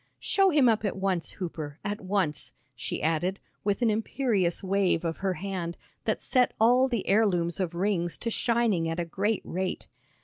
"Show him up at once, Hooper; at once," she added, with an imperious wave of her hand that set all the heirlooms of rings to shining at a great rate.